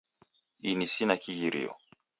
Ini sina kighirio